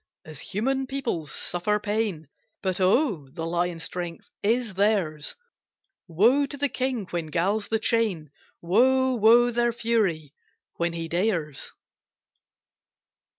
As human, peoples suffer pain, But oh, the lion strength is theirs, Woe to the king when galls the chain! Woe, woe, their fury when he dares!